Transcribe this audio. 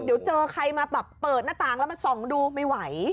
เดี๋ยวเจอใครมาแบบเปิดหน้าต่างแล้วมาส่องดูไม่ไหว